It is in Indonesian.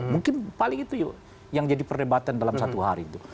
mungkin paling itu yang jadi perdebatan dalam satu hari itu